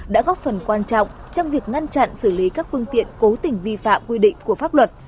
đã góp phần quan trọng trong việc ngăn chặn xử lý các phương tiện cố tình vi phạm quy định của pháp luật